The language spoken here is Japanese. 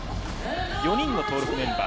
４人の登録メンバー